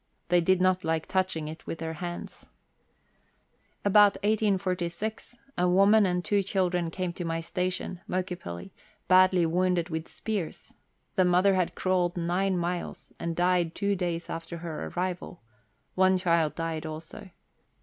They did not like touching it with their hands. About 1846, a woman and two children came to my station (Mokepilly) badly wounded with spears ; the mother had crawled nine miles, and died two days after her arrival ; one child died also.